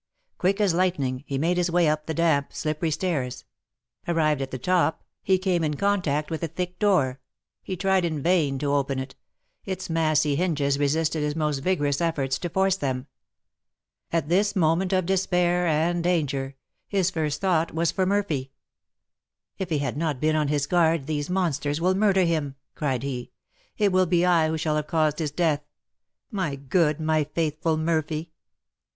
Quick as lightning he made his way up the damp, slippery stairs; arrived at the top, he came in contact with a thick door; he tried in vain to open it, its massy hinges resisted his most vigorous efforts to force them. At this moment of despair and danger, his first thought was for Murphy. "If he be not on his guard, those monsters will murder him!" cried he. "It will be I who shall have caused his death, my good, my faithful Murphy!"